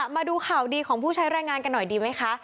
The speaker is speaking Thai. มาดูข่าวดีของผู้ใช้รายงานกันหน่อยดีไหมคะ